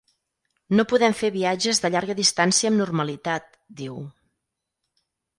“No podem fer viatges de llarga distància amb normalitat”, diu.